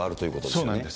そうなんです。